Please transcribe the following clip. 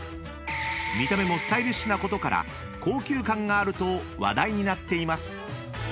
［見た目もスタイリッシュなことから高級感があると話題になっています］